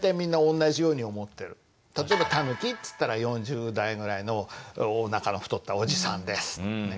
例えばたぬきっつったら４０代ぐらいのおなかの太ったおじさんです。